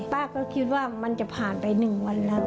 ป้าก็คิดว่ามันจะผ่านไป๑วันแล้ว